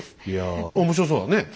いや面白そうだね。